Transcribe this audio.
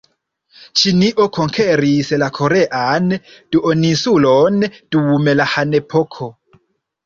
Ĉinio konkeris la korean duoninsulon dum la Han-epoko.